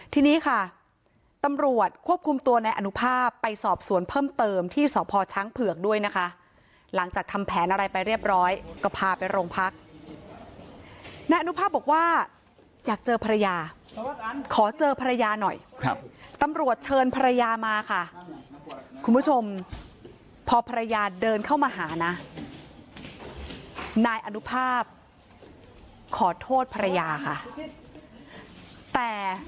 ทีนี้ค่ะตำรวจควบคุมตัวนายอนุภาพไปสอบสวนเพิ่มเติมที่สพช้างเผือกด้วยนะคะหลังจากทำแผนอะไรไปเรียบร้อยก็พาไปโรงพักนายอนุภาพบอกว่าอยากเจอภรรยาขอเจอภรรยาหน่อยครับตำรวจเชิญภรรยามาค่ะคุณผู้ชมพอภรรยาเดินเข้ามาหานะนายอนุภาพขอโทษภรรยาค่ะแต่